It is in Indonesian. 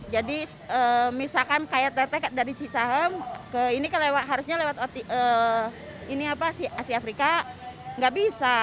jadi misalkan kayak teteh dari cisahem ke ini harusnya lewat asia afrika nggak bisa